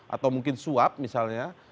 atau mungkin suap misalnya